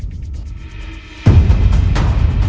ตอนที่สุดมันกลายเป็นสิ่งที่ไม่มีความคิดว่า